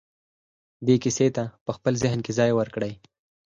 دې کيسې ته په خپل ذهن کې ځای ورکړئ.